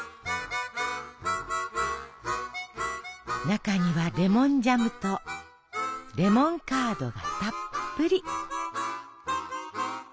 中にはレモンジャムとレモンカードがたっぷり。